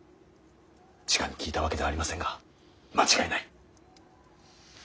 じかに聞いたわけではありませんが間違いない。